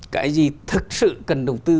cái gì thực sự cần đầu tư